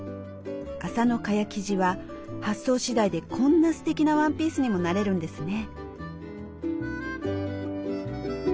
麻の蚊帳生地は発想しだいでこんなすてきなワンピースにもなれるんですね。